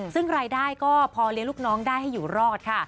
ซึ่งรายได้ก็พอเลี้ยงลูกน้องได้ให้อยู่รอดค่ะ